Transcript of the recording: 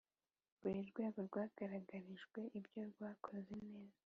Buri rwego rwagaragarijwe ibyo rwakoze neza